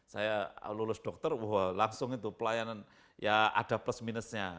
saya lulus dokter wah langsung itu pelayanan ya ada plus minusnya